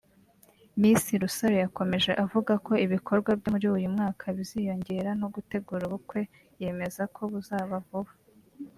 Miss Rusaro yakomeje avuga ko ibikorwa bye muri uyu mwaka biziyongeraho no gutegura ubukwe yemeza ko buzaba vuba